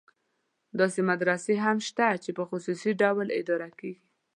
داسې مدرسې هم شته چې په خصوصي ډول اداره کېږي.